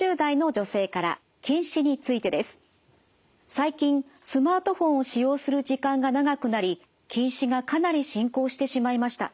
最近スマートフォンを使用する時間が長くなり近視がかなり進行してしまいました。